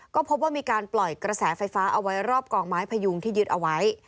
ก็พบว่ามีการปล่อยกระแสไฟฟ้าเอาไว้รอบกองไม้พยุงที่ยึดเอาไว้